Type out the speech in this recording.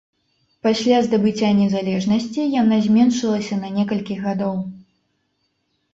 Пасля здабыцця незалежнасці яна зменшылася на некалькі гадоў.